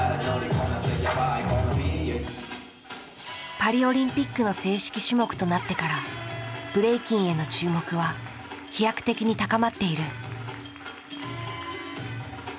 パリオリンピックの正式種目となってからブレイキンへの注目は飛躍的に高まっている。